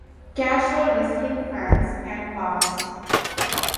Casual wrestling fans can pass.